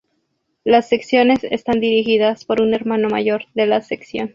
Las Secciones están dirigidas por un Hermano Mayor de la Sección.